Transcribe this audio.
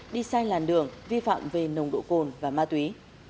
đi sai làn đường vi phạm về nồng độ cồn và ma túy